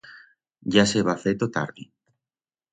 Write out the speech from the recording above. Ya s'heba feto tardi.